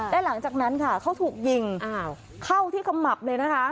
และหลังจากนั้นค่ะเขาถูกยิงเข้าที่ขมับเลยนะคะ